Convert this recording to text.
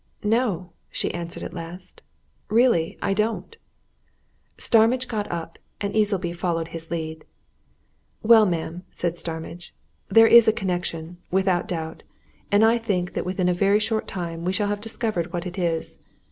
"No!" she answered at last. "Really, I don't!" Starmidge got up, and Easleby followed his lead. "Well, ma'am," said Starmidge, "there is a connection, without doubt, and I think that within a very short time we shall have discovered what it is.